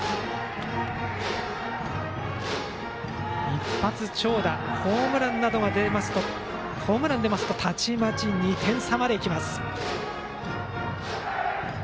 一発長打、ホームランが出るとたちまち２点差までいきます。